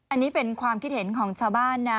อันนี้เป็นความคิดเห็นของชาวบ้านนะ